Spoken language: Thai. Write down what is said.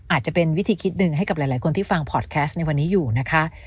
อาจจะเป็นวิธีคิดหนึ่งให้กับหลายคนที่ฟังพอร์ตแคสต์ในวันนี้อยู่นะคะ